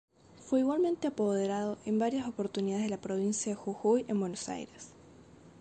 Fue igualmente apoderado en varias oportunidades de la Provincia de Jujuy en Buenos Aires.